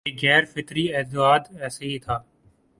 یہ غیر فطری اتحاد ایسے ہی تھا